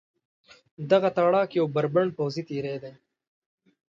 دغه تاړاک یو بربنډ پوځي تېری دی.